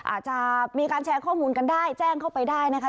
อาจจะมีการแชร์ข้อมูลกันได้แจ้งเข้าไปได้นะคะ